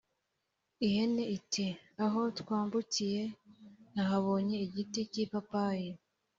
ihene iti: “aho twambukiye, nahabonye igiti k’ipapayi